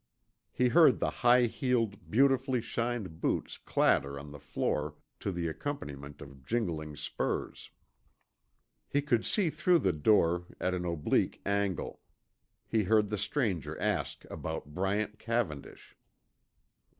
He heard the high heeled, beautifully shined boots clatter on the floor to the accompaniment of jingling spurs. He could see through the door at an oblique angle. He heard the stranger ask about Bryant Cavendish.